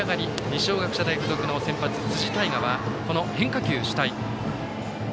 二松学舎大付属の先発、辻大雅は変化球主体。